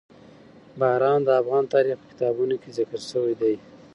باران د افغان تاریخ په کتابونو کې ذکر شوی دي.